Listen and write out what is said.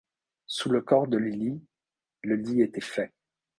Sous le corps de Lilly, le lit était fait.